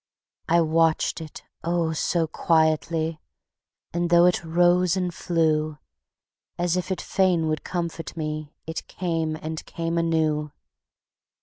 I watched it, oh, so quietly, And though it rose and flew, As if it fain would comfort me It came and came anew.